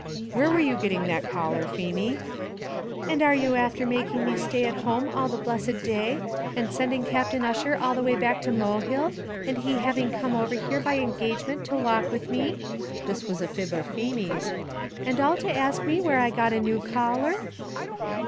"Where were you getting that collar, Feemy?" "And are you afther making me stay at home all the blessed day, and sending Captain Ussher all the way back to Mohill, and he having come over here by engagement to walk with me," this was a fib of Feemy's, "and all to ask me where I got a new collar?"